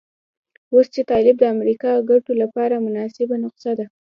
اوس چې طالب د امریکا ګټو لپاره مناسبه نسخه ده.